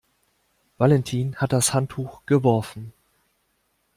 Valentin hat das Handtuch geworfen.